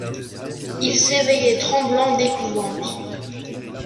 Il s'éveillait tremblant d'épouvante.